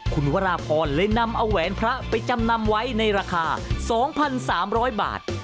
คุณวราพรเลยนำเอาแหวนพระไปจำนำไว้ในราคา๒๓๐๐บาท